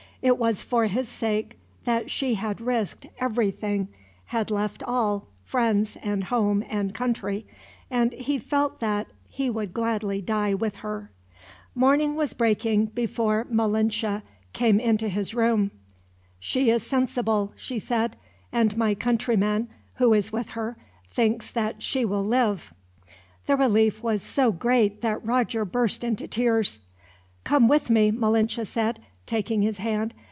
It was for his sake that she had risked everything, had left all friends and home and country and he felt that he would gladly die with her. Morning was breaking before Malinche came into his room. "She is sensible," she said, "and my countryman, who is with her, thinks that she will live." The relief was so great that Roger burst into tears. "Come with me," Malinche said, taking his hand.